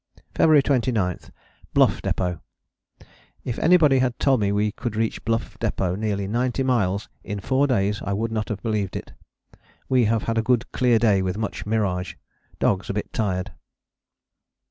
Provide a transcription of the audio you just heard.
"February 29. Bluff Depôt. If anybody had told me we could reach Bluff Depôt, nearly ninety miles, in four days, I would not have believed it. We have had a good clear day with much mirage. Dogs a bit tired."